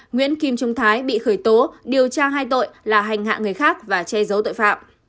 nguyễn kim trung thái bị khởi tố điều tra hai tội là hành hạ người khác và che giấu tội phạm